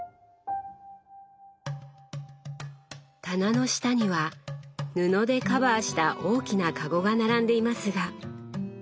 棚の下には布でカバーした大きなかごが並んでいますが。